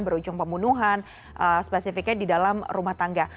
berujung pembunuhan spesifiknya di dalam rumah tangga